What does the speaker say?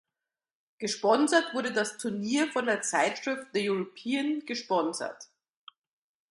Gesponsert wurde das Turnier von der Zeitschrift "The European" gesponsert.